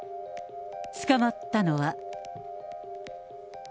捕まったのは。